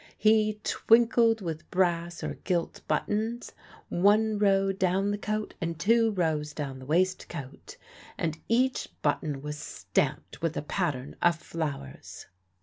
He twinkled with brass or gilt buttons one row down the coat and two rows down the waistcoat and each button was stamped with a pattern of flowers.